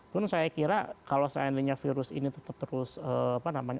kemudian saya kira kalau selain dari virus ini tetap terus apa namanya